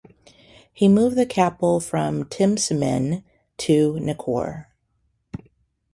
He moved the capital from Temsaman to Nekor.